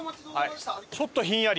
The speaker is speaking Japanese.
ちょっとひんやり。